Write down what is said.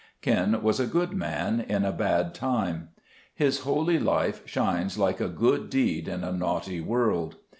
Ken was a good man in a bad time. His holy life shines like "a good deed in a naughty world."